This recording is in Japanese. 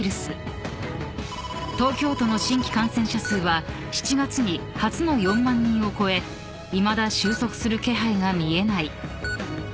［東京都の新規感染者数は７月に初の４万人を超えいまだ収束する気配が見えない］